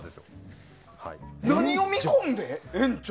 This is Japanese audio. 何を見込んで園長？